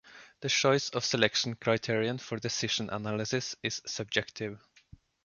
The choice of selection criterion for decision analysis is subjective.